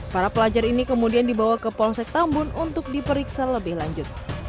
para pelajar ini kemudian dibawa ke polsek tambun untuk diperiksa lebih lanjut